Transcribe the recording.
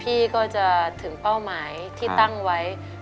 พี่ก็จะถึงเป้าหมายที่ตั้งไว้